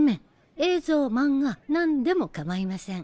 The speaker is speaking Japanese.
映像漫画なんでもかまいません。